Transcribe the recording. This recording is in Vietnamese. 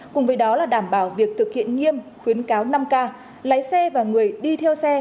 cùng với đó là đảm bảo việc thực hiện nghiêm khuyến cáo năm k lái xe và người đi theo xe